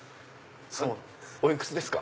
おいくつですか？